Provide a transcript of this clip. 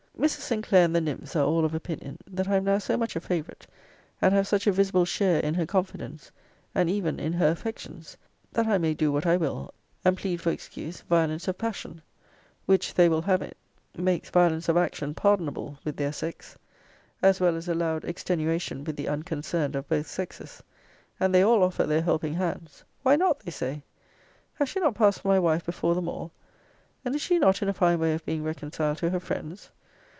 Mrs. Sinclair and the nymphs are all of opinion, that I am now so much a favourite, and have such a visible share in her confidence, and even in her affections, that I may do what I will, and plead for excuse violence of passion; which, they will have it, makes violence of action pardonable with their sex; as well as allowed extenuation with the unconcerned of both sexes; and they all offer their helping hands. Why not? they say: Has she not passed for my wife before them all? And is she not in a fine way of being reconciled to her friends?